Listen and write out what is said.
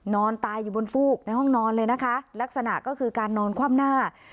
นอนตายอยู่บนฟูกในห้องนอนเลยนะคะลักษณะก็คือการนอนคว่ำหน้า